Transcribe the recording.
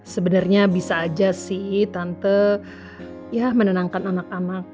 sebenarnya bisa aja sih tante ya menenangkan anak anak